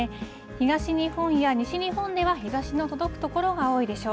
東日本や西日本では日ざしの届く所が多いでしょう。